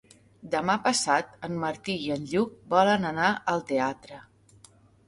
Demà passat en Martí i en Lluc volen anar al teatre.